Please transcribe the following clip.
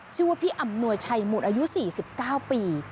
ชื่อว่าพี่อำนวยชัยหมุดอายุ๔๙ปี